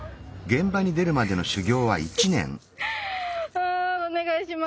あお願いします。